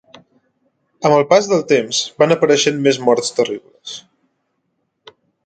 Amb el pas del temps van apareixent més morts terribles.